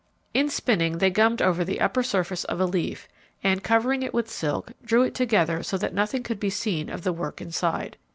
In spinning they gummed over the upper surface of a leaf and, covering it with silk, drew it together so that nothing could be seen of the work inside.